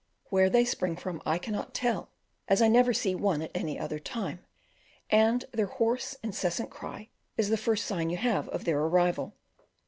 Where they spring from I cannot tell, as I never see one at any other time, and their hoarse, incessant cry is the first sign you have of their arrival.